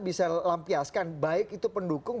bisa lampiaskan baik itu pendukung